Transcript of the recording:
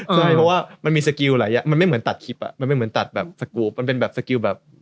ใช่เพราะว่ามันมีสกิลหลายอย่างมันไม่เหมือนตัดคลิปอ่ะมันไม่เหมือนตัดแบบสกรูปมันเป็นแบบสกิลแบบ